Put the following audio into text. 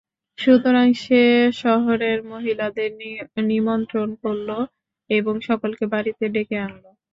সুতরাং সে শহরের মহিলাদের নিমন্ত্রণ করল এবং সকলকে বাড়িতে ডেকে আনল।